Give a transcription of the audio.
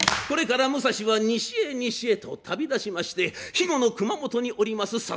これから武蔵は西へ西へと旅立ちまして肥後の熊本におります